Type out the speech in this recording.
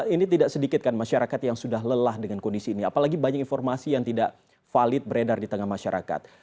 ini tidak sedikit kan masyarakat yang sudah lelah dengan kondisi ini apalagi banyak informasi yang tidak valid beredar di tengah masyarakat